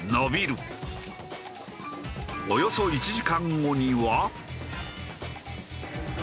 およそ１時間後には。